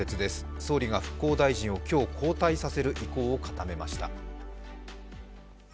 総理が復興大臣を今日、交代させる意向を固めました。